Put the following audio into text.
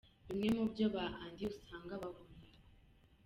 Bimwe mu byo ba Andy usanga bahuriyeho.